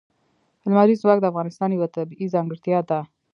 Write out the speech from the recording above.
لمریز ځواک د افغانستان یوه طبیعي ځانګړتیا ده.